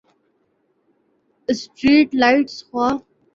street lights خوا